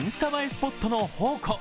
スポットの宝庫。